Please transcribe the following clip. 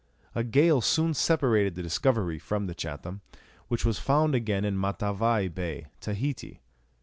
A gale soon separated the Discovery from the Chatham, which was found again in Matavai Bay, Tahiti.